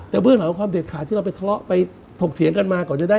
แต่เหมือนเหล่าความเดิดขาดที่เราผ่นทะเลาะไปเขียนมายอุบัติก่อนจะได้มา